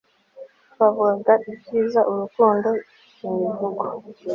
twavugaga ibyiza, urukundo, imivugo